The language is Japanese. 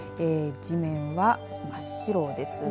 地面は真っ白ですね。